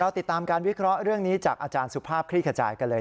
ติดตามการวิเคราะห์เรื่องนี้จากอาจารย์สุภาพคลี่ขจายกันเลย